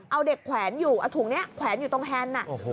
เอาเด็กแขวนอยู่เอาถุงนี้แขวนอยู่ตรงแฮนด์